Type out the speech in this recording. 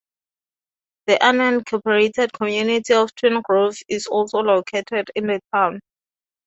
The unincorporated community of Twin Grove is also located in the town.